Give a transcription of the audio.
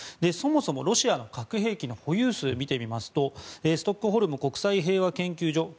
そもそもロシアの核兵器の保有数を見ていきますとストックホルム国際平和研究所